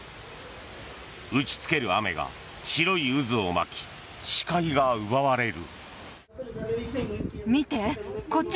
打ち付ける雨が白い渦を巻き視界が奪われる。